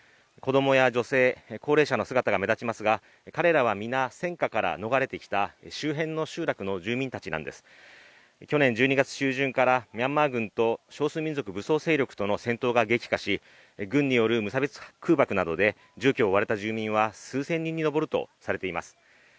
子どもや女性、高齢者の姿が目立ちますが彼らは皆戦火から逃れてきた周辺の集落の住民たちなんです去年１２月中旬からミャンマー軍と少数民族武装勢力との戦闘が激化し軍による無差別空爆などで住居を追われた住民は数千人に上るとされています